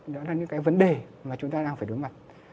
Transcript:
đó là những cái vấn đề mà chúng ta đang phải đối mặt